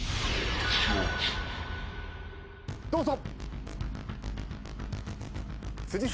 どうぞ！